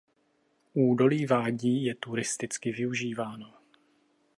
Údolí vádí je turisticky využíváno.